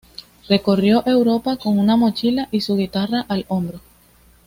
Recorrió Europa con una mochila y su guitarra al hombro.